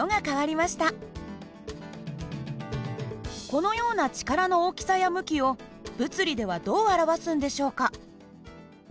このような力の大きさや向きを物理ではどう表すんでしょうか？